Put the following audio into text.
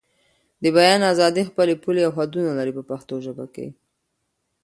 د بیان ازادي خپلې پولې او حدونه لري په پښتو ژبه.